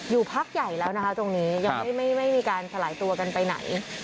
พักใหญ่แล้วนะคะตรงนี้ยังไม่มีการสลายตัวกันไปไหน